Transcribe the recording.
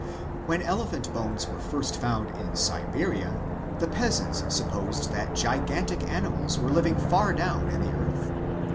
When elephant bones were first found in Siberia, the peasants supposed that gigantic animals were living far down in the earth.